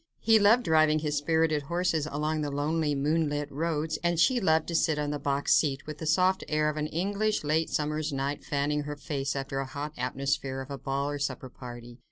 He loved driving his spirited horses along the lonely, moonlit roads, and she loved to sit on the box seat, with the soft air of an English late summer's night fanning her face after the hot atmosphere of a ball or supper party.